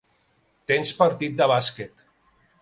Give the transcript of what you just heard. Tens partit de bàsquet.